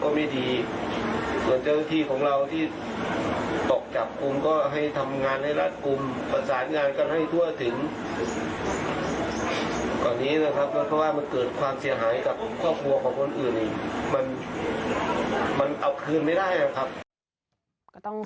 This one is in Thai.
ก่อนนี้นะคะถ้ามันเกิดความเสี่ยหายของดิจกรภีศาสนิทของคนอื่นมันเอาคืนไม่ได้บ้างค่ะ